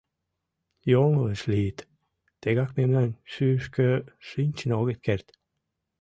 Йоҥылыш лийыт: тегак мемнан шӱйышкӧ шинчын огыт керт.